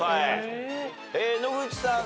野口さん